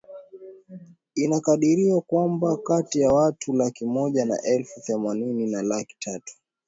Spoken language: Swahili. Inakadiriwa kwamba kati ya watu laki moja na elfu themanini na laki tatu